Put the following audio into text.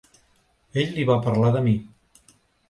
Ell li va parlar de mi.